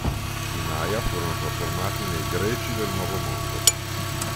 I Maya furono trasformati nei "Greci del Nuovo Mondo".